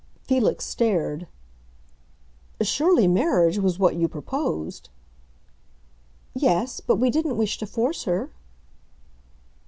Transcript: Felix stared. "Surely, marriage was what you proposed." "Yes; but we didn't wish to force her."